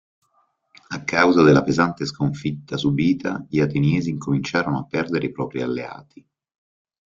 A causa della pesante sconfitta subita gli ateniesi incominciarono a perdere i propri alleati.